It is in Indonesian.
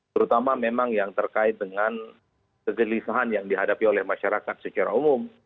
terutama memang yang terkait dengan kegelisahan yang dihadapi oleh masyarakat secara umum